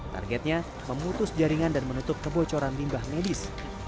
targetnya memutus jaringan dan menutup kebocoran limbah medis